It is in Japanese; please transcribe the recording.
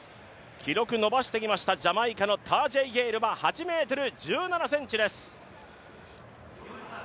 記録伸ばしてきましたジャマイカのタージェイ・ゲイルは８ｍ１７です。